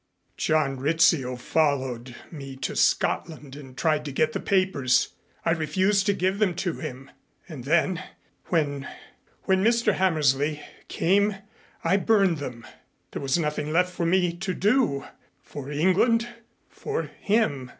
John Rizzio followed me to Scotland and tried to get the papers. I refused to give them to him. And then when when Mr. Hammersley came I burned them. There was nothing left for me to do for England for him.